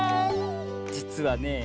じつはねえ